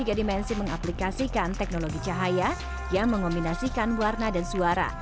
kompetisi mengaplikasikan teknologi cahaya yang mengombinasikan warna dan suara